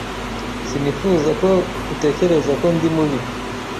sinifuza ko utekereza ko ndi mubi.